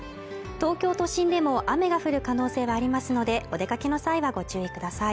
東京都心でも雨が降る可能性はありますので、お出かけの際はご注意ください。